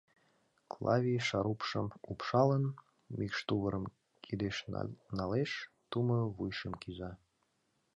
Клавий, шарупшым упшалын, мӱкш тувырым кидеш налеш, тумо вуйыш кӱза.